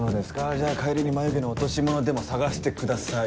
じゃあ帰りに眉毛の落し物でも捜してください。